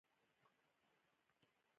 پر لار ځي له خندا شینې دي.